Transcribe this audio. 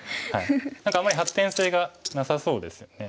何かあんまり発展性がなさそうですよね。